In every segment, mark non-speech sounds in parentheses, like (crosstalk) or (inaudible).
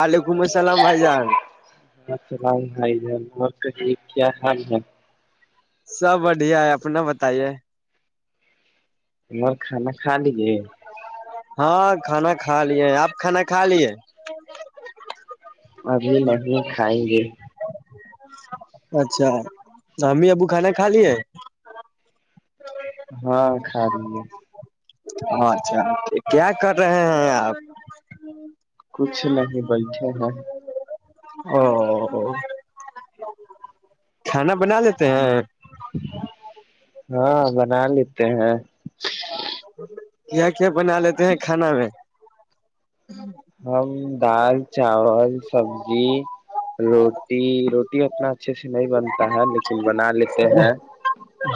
وعلیکم السلام بھائی جان السلام بھائی جان اور کہ یہ کیا حال ہے سب بڑھیا ہے اپنا بتائیے تمار کھانا کا لیکے (unintelligible) ہاں کھانا کھا لیے آپ کھانا کھا لیے (unintelligible) ابھی نہیں (unintelligible) کھائیں گے (unintelligible) اچھا امی ابو کھانا کھا لی ہے (unintelligible) ہاں کھا لیے (unintelligible) اچھا کیا کر رہے ہیں آپ (unintelligible) کچھ نہیں بیٹھے ہیں (unintelligible) او (inaudible) کانا (inaudible) بنا لیتے ہیں (inaudible) ہاں بنا لیتے ہیں (unintelligible) کیا کیا بنا لیتے ہیں کھانا میں (unintelligible) ہم دال چاول (unintelligible) پھل سبزی روٹی رو (inaudible) تنا اچھے سے (inaudible) نہیں بنتا ہے لیکن بنا لیتے ہیں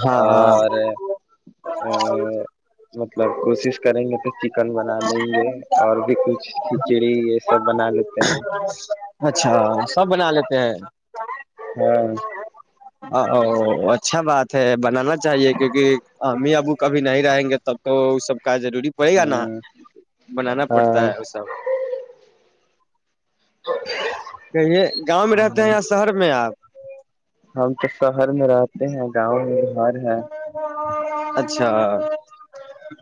ہاں ہاں اور (unintelligible) ا مطلب کوشش کریں گے تو چکن بنا لیں گے اور بھی کچھ (unintelligible) کھچڑی یہ سب بنا لی (unintelligible) اچھا سب بنا لیتے (unintelligible) ا (inaudible) ہاں (inaudible) او اچھا بات ہے بنانا چاہیے کہ کیونکہ امی ابو کبھی نہیں رہیں گے تب تو سب (inaudible) کا ضروری پڑے گا نہ ہاں بنانا پڑتا ہے وہ سب (unintelligible) کہیے گاؤں میں رہتے ہاں ہیں یا شہر میں آپ (unintelligible) ہم تو شہر میں رہتے ہیں گاؤں میں (unintelligible) سر ہےاں (inaudible) اچھا (inaudible)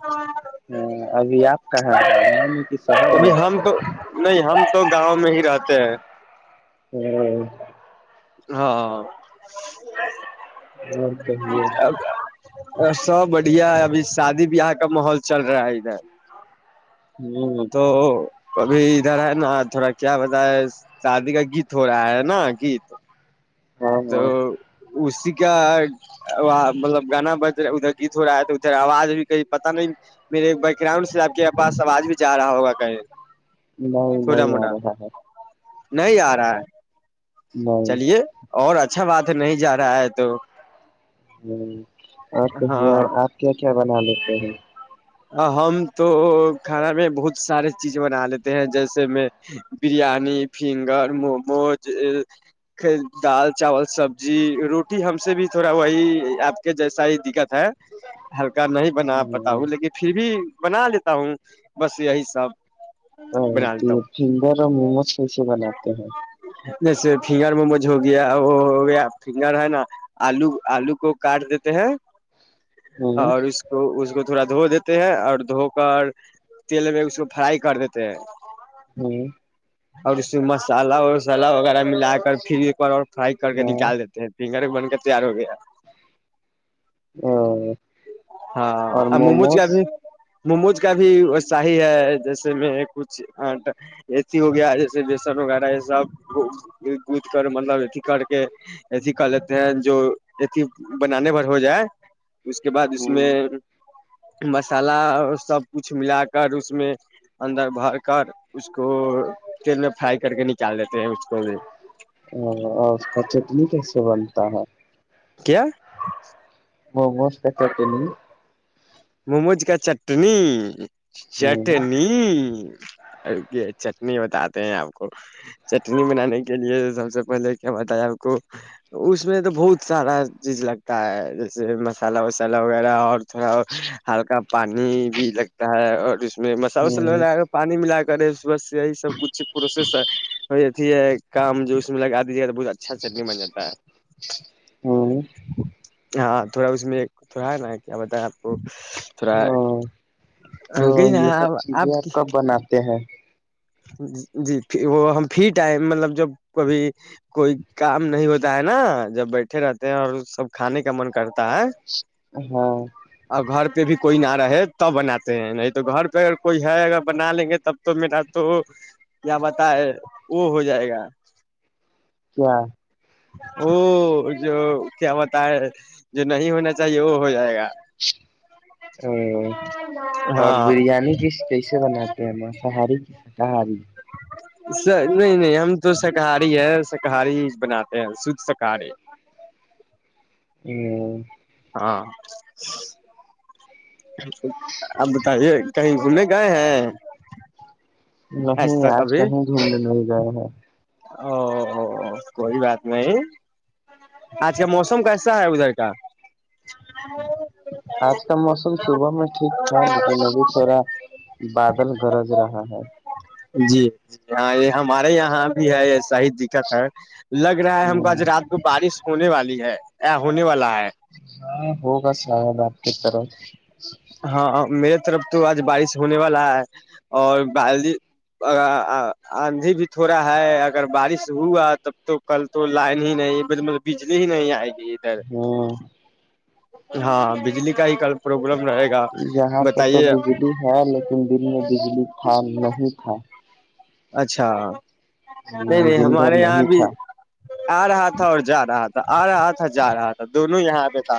ہ ابھی آپ کہاںسی (unintelligible) کبھی ہم تو نہیں ہم تو گاؤں میں (unintelligible) نہیں رہتے ہیں (inaudible) میں ہاں (unintelligible) اور کہ (unintelligible) ا سب بڑھیا ہے ابھی شادی بیاہ کا ماحول چل رہا ہے ادھر (unintelligible) ہ تو (inaudible) ابھی ادھر ہے نا تھوڑا کیا بتا ہے شادی کا گیت ہو رہا ہے نا گیت ہاں تو ہاں اسی کا مطلب گانا ب ادھر گیت ہو رہا ہے تو ادھر آواز بھی کہیں پتا نہیں میرے بیک گراؤنڈ سے آپ کے پاس آواز بھی جا رہا ہوگا کہیں نہیں تھوڑا نہیں آ موٹا رہا ہے نہیں آ رہا ہے نہیں چلیے اور اچھا بات نہیں جا رہا ہے تو ہ آپ کہ اور ہاں آپ کیا کیا بنا لے ج ہاں ہم تو کھانا میں بہت سارے چیز بنا لیتے ہیں جیسے میں بریانی فنگر موموز دال چاول سبزی روٹی ہم سے بھی تھوڑا وہی آپ کے جیسا ہی دقت ہے نہیں بنا آپ پتاؤ لیکن بنا لیتا ہوں بس یہی سب ہاں بنا تو لیتا ہوں فنگگر اور موموز کیسے بناتے ہیں جیسے فنگر مموج ہو گیا وہ ہو گیا فنگر ہے نا آلو آلو کو کاٹ دیتے ہیں ہ اور اس کو اس کو تھوڑ دھو د ہیں اور دھو کر تیل میں اس کو فرائی کر دیتے ہیں ہوں اور اس میں مسالہ وسالا وغیرہ ملا کر پھر ایک بار اور فرائی کر کے ہاں نکال دیتے ہیں ڈگار بن کر تیار ہو گیا ہاں ہاں ممو کیاد موموز کا بھی ص ہی ہے جیسے میں کچھ ایھی ہو گیا جیسے بیسن وغیرہ یہ سب گد کر مطلب اھی کر کے ایھی کر لیتے ہیں جو اھی بنانے پرھر ہو جائے اس کے اس میں مسالہ سب کچھ ملا کر اس میں اندر بھر کر اس کو تیل میں فرائی کر کے نکال دیتے ہیں اس کو بھی ا اور اس کا چٹنی کیسے بنتا ہے کیا مموز کا چٹ نہیں مموج کا چٹنی ہ چٹنی یہ چٹنی بتاتے ہیں آپ کو چٹنی بنانے کے لیے سب سے پہلے کیا بتا ہے آپ کو اس میں تو بہت سارا چیز لگتا ہے جیسے مسالہ وسالہ وغیرہ اور تھوڑا ہلکا پانی بھی لگتا ہے اور اس مسال وس ل ہ ہو پانی ملا کرے اس یہی سب کچھ پروسسر اتھی ہے کام جوس ملاگا ج بہت اچھا چٹنی بن جاتا ہے ہ ہاں تھوڑا اس میں تھوڑا ہے نا کیا بتیں آپ (inaudible) تھوڑا ہ تو گئی نا یہ سب چیزیں آپ کب بناتے ہیں جی وہ ہم فری ٹائم مطلب جب کبھی کوئی کام نہیں ہوتا ہے نا جب بیٹھے رہتے ہیں اور سب کھانے کا من کرتا ہے ہاں اور گھر پہ بھی کوئی نہ رہے تب بناتے ہیں نہیں تو گھر پہ اگر کوئی ہے اگر بنا لیں گے تب تو میرا تو کیا بتائے وہ ہو جائے گا کیا (unintelligible) او جو کیا ہوتا ہے جو نہیں ہونا چاہیے وہ ہو جائے گا او اور ہاں بریانی ک کیسے بناتے ہیں مانساہاری کی شاکاہاری نہیں نہیں ہم تو شاکاہاری ہے شاکاہاری بناتے ہیں شھ شاکاری ہ (inaudible) ہاں (unintelligible) اب بتائیے کہیں گھنے گئے ہیں نہیں تک آج ابھی کہیں گھومنے نہیں گئے ہیں او کوئی بات نہیں آج کا موسم کیسا ہے ادھر کا آج کا موسم صبح میں ٹھیک تھا لیکن ابھی تھوڑا بادل گرج رہا ہے جی جی ہاں یہ ہمارے یہاں بھی ہے ایسا ہی دقت ہے لگ رہا ہے ہم کو ہوں آج رات کو بارش ہونے والی ہونے والا ہے (inaudible) ہاں (unintelligible) ہوگس بارکیٹ طرح ہاں میرے طرف تو آج بارش ہونے والا ہے اور ب آندھی بھی تھوڑا ہے اگر بارش ہوا تب تو کل تو لائن ہی نہیں بجلی ہی نہیں آئے گی ادھر ہاں (unintelligible) ہاں بجلی کا ہی ک یہاں پہ تو بجلی ہے لیکن دن میں بجلی تھا نہیں تھا اچھا نہیں نہیں دن بھر ہمارے یہاں نہیں بھی تھا آ رہا تھا اور جا رہا تھا آ رہا تھا جا رہا تھا دونوں یہاں آ پئے تھا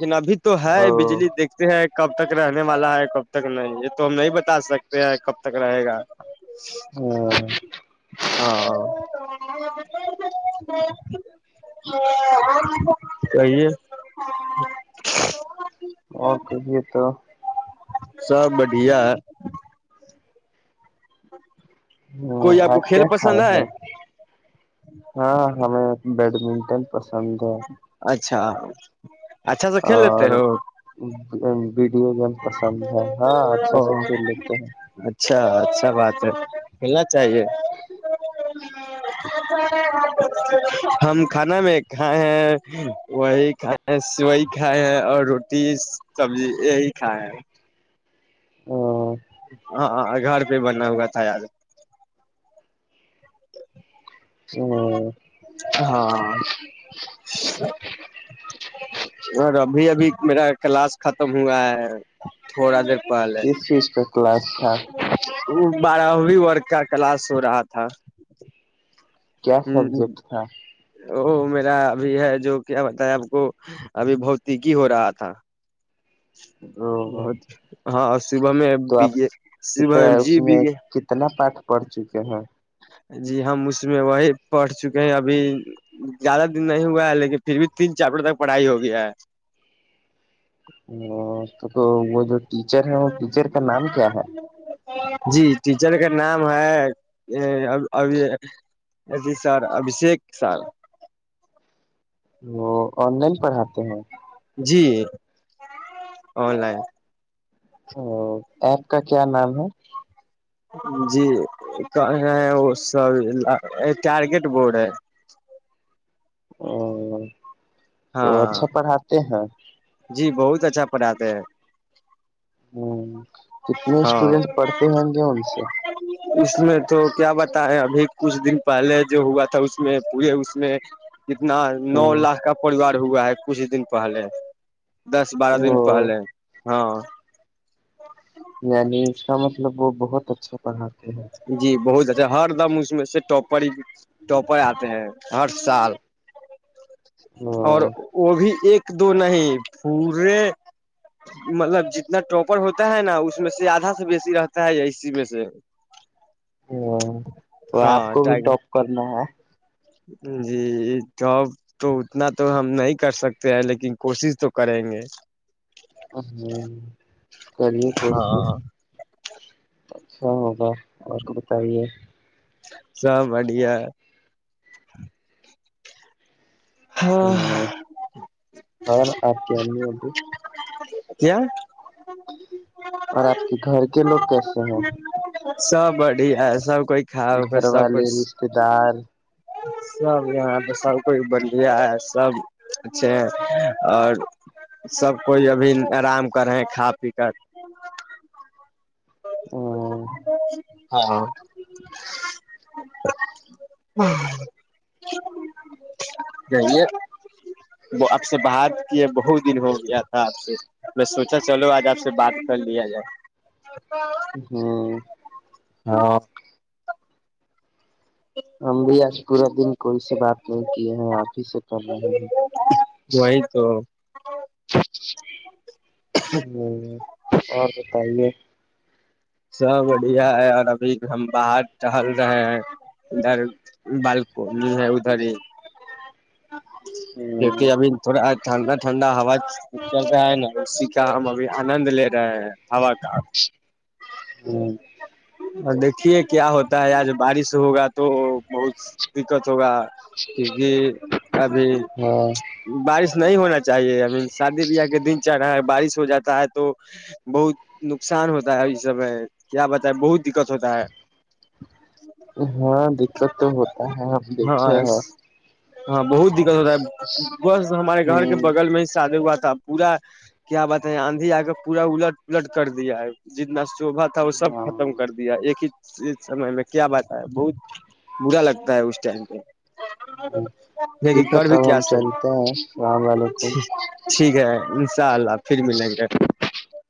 لن ابھی تو ہے او بجلی دیکھتے ہیں کب تک رہنے والا ہے کب تک نہیں یہ تو ہم نہیں ب بتا سکتے ہیں کب تک رہے گا ہ (unintelligible) ہاں تویے (unintelligible) ہی (unintelligible) اور تو یہے تو سب بڑھیا ہے (unintelligible) ہ کوئی آپ کو آج کھیل کیا پسند کھائے ہے ہاں ہمیں بیڈمنٹن پسند ہے (unintelligible) اچھا (unintelligible) کھیل لیتے اور ہو (unintelligible) ویڈیو گیم پسند ہے ہاں اچھے او سے کھیل لیتے ہیں (unintelligible) اچھا اچھا بات ہے کنا چاہیے ہم کھانا میں کھائے ہیں وہی کھ وہی کھائے ہیں اور روٹی سبزی یہی (unintelligible) چھ (unintelligible) ہ (unintelligible) ہاں گھر پہ بنا ہوا تھا یار (unintelligible) ج (unintelligible) ہ (unintelligible) ہاں (unintelligible) اور ابھی ابھی میرا کلاس ختم ہوا ہے تھوڑا دیر اس چیز کاہ کلاس تھا (unintelligible) وہ بارہویں ورگ کا کلاس ہو رہا تھا (unintelligible) کیا سبجیکٹ تھا (unintelligible) وہ میرا ابھی ہے جو کیا بتا ہے آپ کو ابھی بھتیک ہی ہو رہا تھا (unintelligible) بہت ہاں صبح میں تو بگ آپ صبح میں جی بگے (unintelligible) پڑ چکے ہیں (unintelligible) جی ہم اس میں وہی پڑھ چکے کہ ابھی (unintelligible) زیادہ دن نہیں ہوا ہے لیکن پھر بھی تین چارپٹر تک پڑھائی ہو گیا ہے (unintelligible) ہ تو (unintelligible) تو وہ جو ٹیچر ہیں وہ (unintelligible) دوچر کا نام کیا ہے (unintelligible) جی ٹیچر کا نام ہے جی سر ابھیشیک سر (unintelligible) وہ آن لائن پڑھاتے ہیں جی آن لائن (unintelligible) ا ایپ کا کیا نام ہے جی کہ وہ سب ٹارگیٹ بورڈ ہے (unintelligible) ہ (unintelligible) تو ہاں اچھا پڑھاتے ہیں ب اچھا پڑھاتے ہیں (unintelligible) ہوں کتنے ہاں اسٹوڈینٹ پڑھتے ہوں گے ان سے اس میں تو کیا بتائے ابھی کچھ دن پہلے جو ہوا تھا اس میں پورے اس میں کتنا نو ہ لاکھ کا پوار ہوا ہے کچھ دن پہلے دس بارہ دن وہ پہلے ہاں یعنی اس کا مطلب وہ بہت اچھا پڑھا تھا جی بہت اچھا ہر دم اس میں سے ٹاپر ہی ٹاپر آتے ہیں ہر سال اور ہ وہ بھی ایک دو نہیں پورے مطلب جتنا ٹاپر ہوتا ہے نا اس میں سے آدھا سے بیسی رہتا ہے اسی میں سے ہ تو آپ ہاں کو بھی ٹائ ٹاپ کرنا ہے جی جاب تو اتنا تو ہم نہیں کر سکتے ہیں لیکن کوشش تو کریں گے کریے کوشش اھا ہوگا اور کو بتائیے س بڈیا ہ اور آر کیامی ابو کیا اور آپ کے گھر کے لوگ کرس ہیں سب بڑھیا ہے سب کوئی کھا ہوگا گھر سب والے کوئی رشتے دار سب یہاں پہ سب کوئی بڑھیا ہے سب اچھے ہیں اور سب کوئی ابھی آرام کرے کھا پی کر ہ ہاں جے آپ سے بات کی بہت دن ہو گیا تھا آپ سے میں سوچا چلو آج آپ سے بات کر لیا جائے ہاں ہاں ہم بھی آج پورا دن کوئی سے بات نہیں کیے ہیں آپ ہی سے کر رہے ہیں وہی تو ہ اور بتائیے سب بڑھیا ہے اور ابھی ہم باہر ٹہل رہے ہیں ادھر بالکنی ہے ادھر ہی کیونکہ ہوں ابھی تھوڑا آ ٹھنڈا ٹھنڈا ہوا چل رہا ہے نا اسی کا ہم ابھی آنند لے رہے ہیں آو کا ہوں اور دیکھیے کیا ہوتا ہے آج بارش ہوگا تو بہت دقت ہوگا کیونکہ ابھی ہاں بارش نہیں ہونا چاہ (inaudible) چاہیےئی م شادی بیاہ کے دن (inaudible) رہا بارش ہو جاتا ہے تو بہت نقصان ہوتا ہے (inaudible) یہ سب ہے کیا بتا ہے بہت دقت ہوتا ہے (inaudible) ہاں دقت تو ہوتا ہے ہم ہاں دیکھے ہیں (unintelligible) ہاں بہت دقت ہوتا ہے (unintelligible) بس ہمارے گھر کے ہ بغل میں ہی سادات (unintelligible) پورا کیا بات ہے آندھی آ کر پورا الٹ پلٹ کر دیا ہے (inaudible) جتنا (inaudible) شبا تھا وہ سب ختم کر ہاں دیا ایک ہی (unintelligible) اس سمے میں کیا بات ہے بہت برا لگتا ہے اس ٹائم پہ (unintelligible) لیکن ٹھیک ہے کر بھی تب ہم کیاصل چلتے ہیں السلام علیکم ٹھیک ہے ان شاء اللہ پھر ملیں گے (unintelligible)